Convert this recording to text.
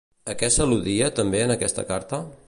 A què s'al·ludia també en aquesta carta?